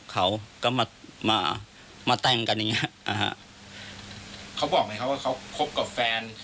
เขาก็มามาแต่งกันอย่างเงี้ยอ่าฮะเขาบอกไหมคะว่าเขาคบกับแฟน